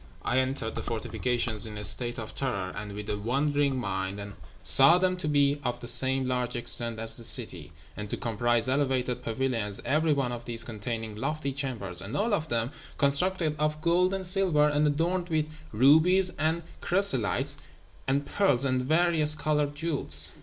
I entered the fortifications in a state of terror and with a wandering mind, and saw them to be of the same large extent as the city, and to comprise elevated pavilions, every one of these containing lofty chambers, and all of them constructed of gold and silver, and adorned with rubies and chrysolites and pearls and various coloured jewels.